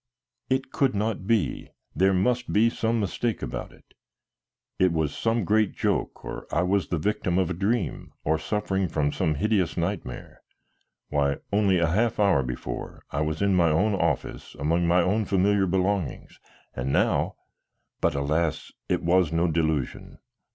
It could not be; there must be some mistake about it; it was some great joke, or I was the victim of a dream, or suffering from some hideous nightmare. Why, only a half hour before I was in my own office, among my own familiar belongings, and now But, alas, it was no delusion.